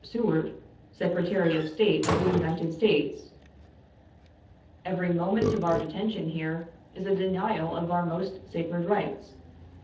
Seward, Secretary of State of the United States. Every moment of our detention here is a denial of our most sacred rights.